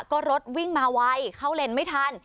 ก็รถวิ่งมาไวเข้าเลนไม่ทัน